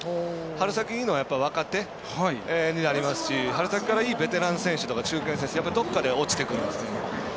春先いいのは若手になりますし春先からいいベテラン選手とか中堅選手はどこかで落ちてくるので。